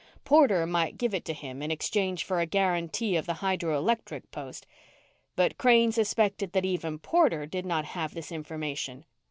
Porter might give it to him in exchange for a guarantee of the hydroelectric post. But Crane suspected that even Porter did not have this information.